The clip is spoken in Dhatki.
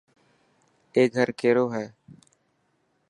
اي گھر ڪيرو هي.